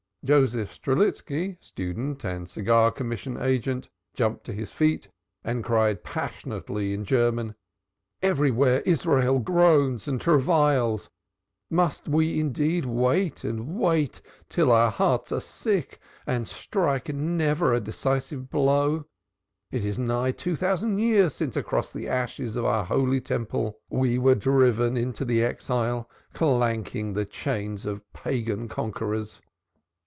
Joseph Strelitski, student and cigar commission agent, jumped to his feet and cried passionately in German: "Everywhere Israel groans and travails must we indeed wait and wait till our hearts are sick and strike never a decisive blow? It is nigh two thousand years since across the ashes of our Holy Temple we were driven into the Exile, clanking the chains of Pagan conquerors.